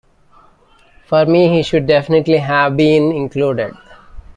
For me he should definitely have been included.